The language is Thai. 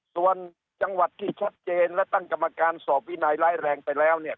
ส่วนจังหวัดที่ชัดเจนและตั้งกรรมการสอบวินัยร้ายแรงไปแล้วเนี่ย